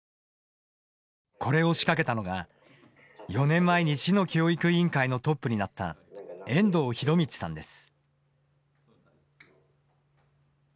これを仕掛けたのが、４年前に市の教育委員会のトップになった遠藤洋路さんです。